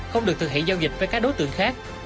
không được thực hiện giao dịch với các đối tượng khác